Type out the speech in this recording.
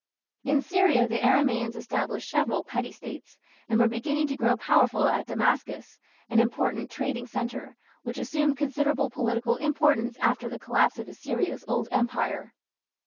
In Syria the Aramaeans established several petty States, and were beginning to grow powerful at Damascus, an important trading centre, which assumed considerable political importance after the collapse of Assyria's Old Empire.